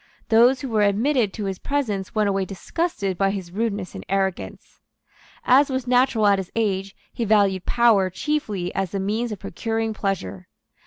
Those who were admitted to his presence went away disgusted by his rudeness and arrogance. As was natural at his age, he valued power chiefly as the means of procuring pleasure.